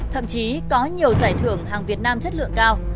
thậm chí có nhiều giải thưởng hàng việt nam chất lượng cao